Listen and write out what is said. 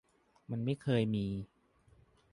มันไม่เคยมี